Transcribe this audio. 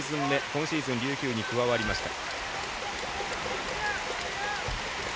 今シーズン、琉球に加わりました。